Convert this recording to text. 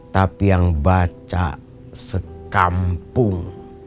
tapi yang baca sekampung